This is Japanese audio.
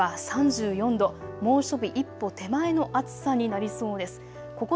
東京都心では３４度、猛暑日一歩手前の暑さになりそうです。